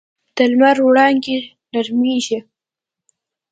د لمر وړانګې نرمېږي